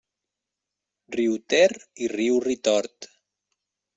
Riu Ter i riu Ritort.